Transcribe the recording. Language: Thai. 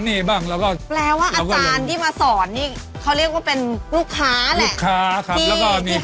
ที่ให้ข้อมูลเรา